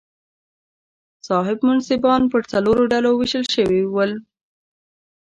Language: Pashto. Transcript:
صاحب منصبان پر څلورو ډلو وېشل شوي ول.